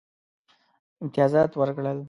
امتیازات ورکړل.